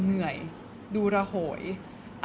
เพื่อนของเอมค่ะ